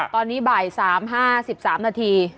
ตอนนี้บ่าย๓๕๓นาที